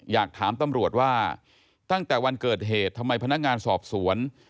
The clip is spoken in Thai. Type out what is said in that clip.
อยากถามตำรวจว่าตั้งแต่วันเกิดเหตุทำไมพนักงานสอบสวน